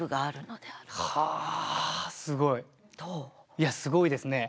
いやすごいですね。